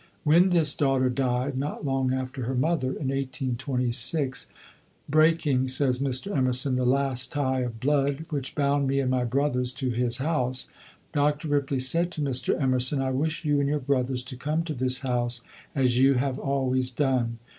When this daughter died, not long after her mother, in 1826, breaking, says Mr. Emerson, "the last tie of blood which bound me and my brothers to his house," Dr. Ripley said to Mr. Emerson, "I wish you and your brothers to come to this house as you have always done.